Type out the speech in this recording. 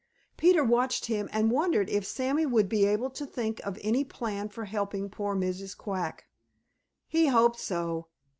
Peter watched him and wondered if Sammy would be able to think of any plan for helping poor Mrs. Quack. He hoped so.